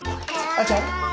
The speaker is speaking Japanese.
あるちゃん！